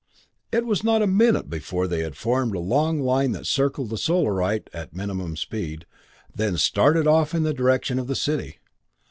It was not a minute before they had formed a long line that circled the Solarite at minimum speed, then started off in the direction of the city.